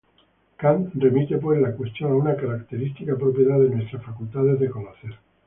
Kant remite, pues, la cuestión a una "característica propiedad de nuestras facultades de conocer".